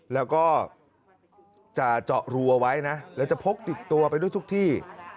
แล้วก็จะเจาะรูเอาไว้นะแล้วจะพกติดตัวไปด้วยทุกที่